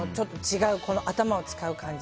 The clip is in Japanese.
この頭を使う感じ。